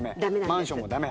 マンションもダメ。